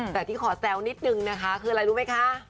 แต่ที่ขอแซวนิดนึงนะคะคืออะไรรู้ไหมคะ